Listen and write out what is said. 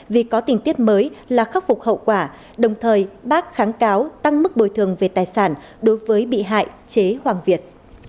vì có tình tiết mới là khắc phục hậu quả đồng thời bác kháng cáo tăng mức bồi thường về tài sản đối với bị hại chế hoàng việt